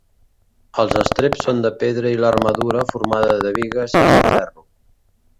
Els estreps són de pedra i l'armadura, formada de bigues, és de ferro.